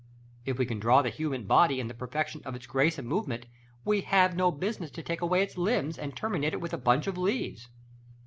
If we can draw the human body in the perfection of its grace and movement, we have no business to take away its limbs, and terminate it with a bunch of leaves.